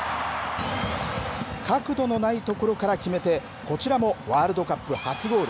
角度のない所から決めて、こちらもワールドカップ初ゴール。